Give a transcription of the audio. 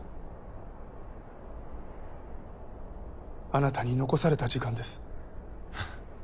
あなたに残された時間です。